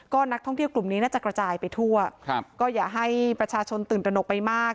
ก็นักท่องเที่ยวกลุ่มนี้น่าจะกระจายไปทั่วครับก็อย่าให้ประชาชนตื่นตระหนกไปมาก